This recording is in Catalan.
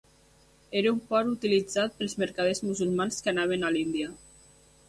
Era un port utilitzat pels mercaders musulmans que anaven a l'Índia.